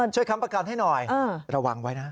ค้ำประกันให้หน่อยระวังไว้นะ